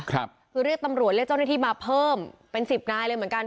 คือเรียกตำรวจเรียกเจ้าหน้าที่มาเพิ่มเป็นสิบนายเลยเหมือนกัน